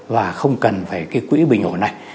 và không cần phải cái quỹ bình ổn này